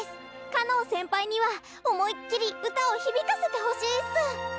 かのん先輩には思いっきり歌を響かせてほしいっす！